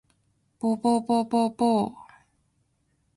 ぼぼぼぼぼお